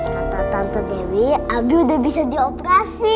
kata tante dewi abi udah bisa dioperasi